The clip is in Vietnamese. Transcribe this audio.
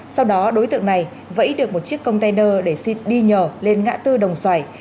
sau đó đối tượng này vẫy được một chiếc container để đi nhờ lên ngã tư đồng xoài